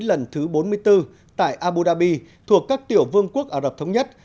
lần thứ bốn mươi bốn tại abu dhabi thuộc các tiểu vương quốc ả rập thống nhất